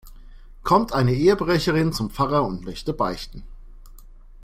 Kommt eine Ehebrecherin zum Pfarrer und möchte beichten.